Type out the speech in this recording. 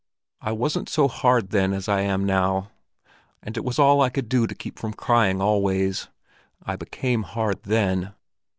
I wasn't so hard then as I am now, and it was all I could do to keep from crying always. I became hard then.